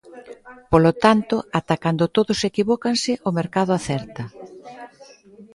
Polo tanto, ata cando todos equivócanse, o mercado acerta.